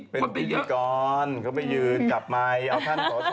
เป็นพิกรเขาไปยืนจับเมาท์